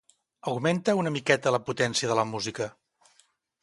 Augmenta una miqueta la potència de la música.